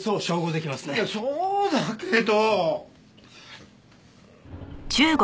いやそうだけど！